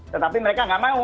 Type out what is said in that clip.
tetapi mereka tidak mau